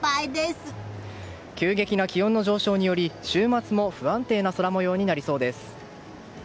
急激な気温の上昇により週末も、不安定な空模様になりそうです。